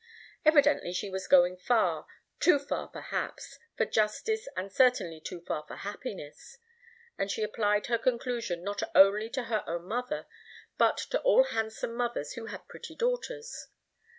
Evidently, she was going far too far, perhaps, for justice and certainly too far for happiness. And she applied her conclusion not only to her own mother, but to all handsome mothers who had pretty daughters.